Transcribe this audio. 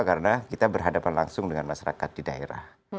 karena kita berhadapan langsung dengan masyarakat di daerah